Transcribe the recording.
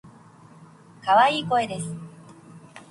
可愛い声です。